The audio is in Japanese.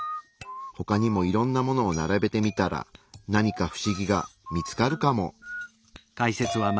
ほかにもいろんなものをならべてみたら何かフシギが見つかるかも。